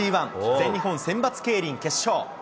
全日本選抜競輪決勝。